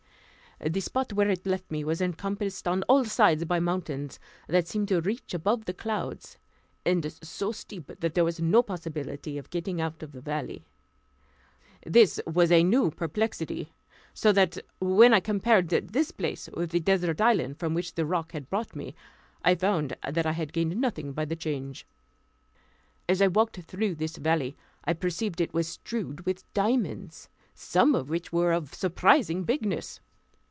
The spot where it left me was encompassed on all sides by mountains, that seemed to reach above the clouds, and so steep that there was no possibility of getting out of the valley. This was a new perplexity; so that when I compared this place with the desert island from which the roc had brought me, I found that I had gained nothing by the change. As I walked through this valley, I perceived it was strewed with diamonds, some of which were of surprising bigness.